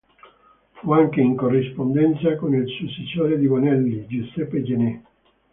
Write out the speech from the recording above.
Fu anche in corrispondenza con il successore di Bonelli, Giuseppe Gené.